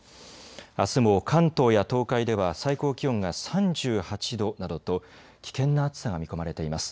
あすも関東や東海では最高気温が３８度などと危険な暑さが見込まれています。